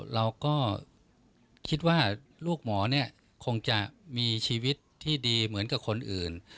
เราก็คิดว่าลูกหมอเนี่ยคงจะมีชีวิตที่ดีเหมือนกับคนอื่น